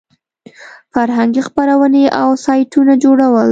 فرهنګي خپرونې او سایټونه جوړول.